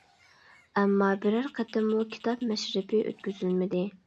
ئەمما، بىرەر قېتىممۇ كىتاب مەشرىپى ئۆتكۈزۈلمىدى.